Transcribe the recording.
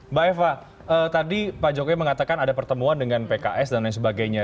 mbak eva tadi pak jokowi mengatakan ada pertemuan dengan pks dan lain sebagainya